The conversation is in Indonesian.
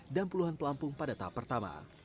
dan puluhan pelampung pada tahap pertama